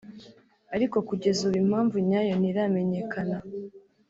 ariko kugeza ubu impamvu nyayo ntiramenyekana